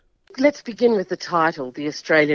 mari kita mulai dengan titelnya perang australia